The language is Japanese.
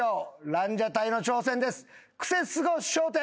ランジャタイの挑戦です。